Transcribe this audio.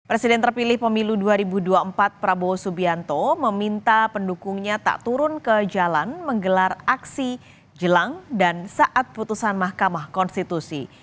presiden terpilih pemilu dua ribu dua puluh empat prabowo subianto meminta pendukungnya tak turun ke jalan menggelar aksi jelang dan saat putusan mahkamah konstitusi